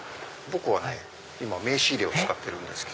僕はね名刺入れを使ってるんです。